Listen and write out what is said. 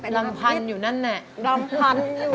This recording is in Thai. ลำพันธุ์อยู่นั้นน่ะ